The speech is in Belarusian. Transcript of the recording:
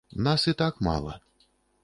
Нас і так мала.